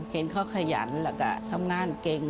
เห็นเขาขยันแล้วก็ทำงานเก่ง